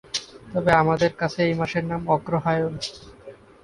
তবে আমাদের কাছে এই মাসের নাম অগ্রহায়ণ।